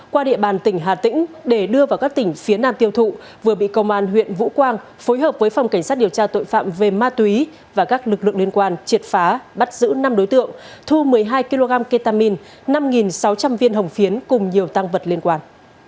qua địa bàn tỉnh hà tĩnh để đưa vào các tỉnh phía nam tiêu thụ vừa bị công an huyện vũ quang phối hợp với phòng cảnh sát điều tra tội phạm về ma túy và các lực lượng liên quan triệt phá bắt giữ năm đối tượng thu một mươi hai kg ketamine năm sáu trăm linh viên hồng phiến cùng nhiều tăng vật liên quan